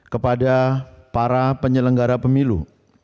kepada para penyelenggara pemilu